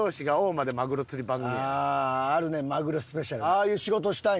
ああいう仕事をしたい？